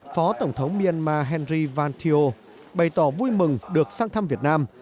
phó tổng thống myanmar henry van thieu bày tỏ vui mừng được sang thăm việt nam